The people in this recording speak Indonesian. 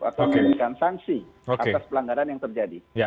atau mengirimkan sanksi atas pelanggaran yang terjadi